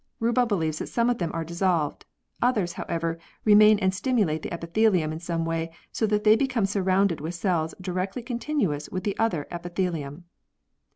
Rubbel believes that some of them are dissolved ; others, however, remain and stimulate the epithelium in some way so that they become surrounded with cells directly continuous with the outer epithelium (fig.